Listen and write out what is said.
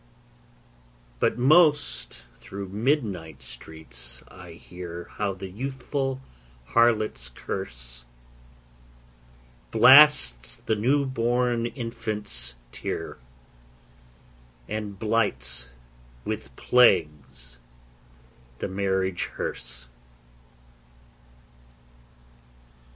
But most, through midnight streets I hear How the youthful harlot's curse Blasts the new born infant's tear, And blights with plagues the marriage hearse.